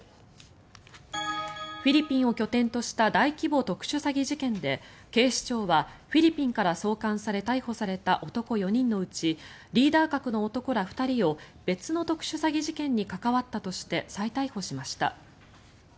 フィリピンを拠点とした大規模特殊詐欺事件で警視庁はフィリピンから送還され逮捕された男４人のうちリーダー格の男ら２人を別の特殊詐欺事件に関わったとして再逮捕しました。